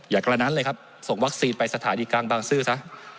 กระนั้นเลยครับส่งวัคซีนไปสถานีกลางบางซื่อซะ